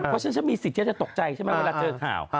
เพราะฉันฉันมีสิทธิ์ฉันจะตกใจใช่ไหมเวลาเจอข่าว